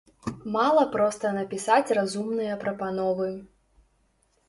Мала проста напісаць разумныя прапановы.